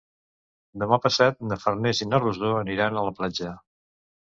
Demà passat na Farners i na Rosó aniran a la platja.